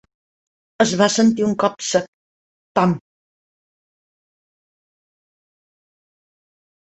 Es va sentir un cop sec. Pam!